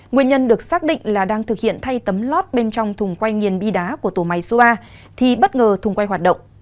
nguyên nhân được xác định là đang thực hiện thay tấm lót bên trong thùng quay nghiền bi đá của tổ máy số ba thì bất ngờ thùng quay hoạt động